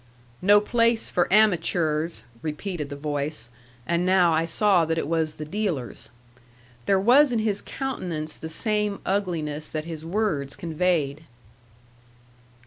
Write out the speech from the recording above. "No place for amatures," repeated the voice; and now I saw that it was the dealer's. There was in his countenance the same ugliness that his words conveyed.